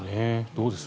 どうです？